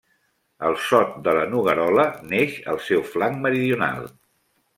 El Sot de la Noguerola neix al seu flanc meridional.